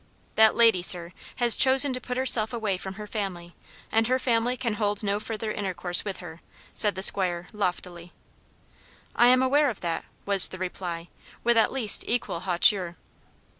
"That lady, sir, has chosen to put herself away from her family, and her family can hold no further intercourse with her," said the 'squire, loftily. "I am aware of that," was the reply, with at least equal hauteur.